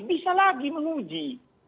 bisa lagi menguji